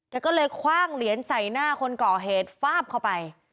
แกก็เลยคว่างเหรียญใส่หน้าคนก่อเหตุฟาบเข้าไป